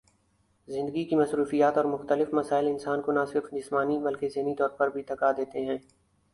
زندگی کی مصروفیات اور مختلف مسائل انسان کو نہ صرف جسمانی بلکہ ذہنی طور پر بھی تھکا دیتے ہیں